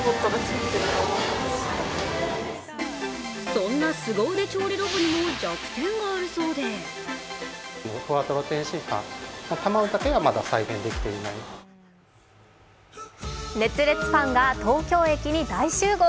そんな凄腕調理ロボにも弱点があるそうで熱烈ファンが東京駅に大集合。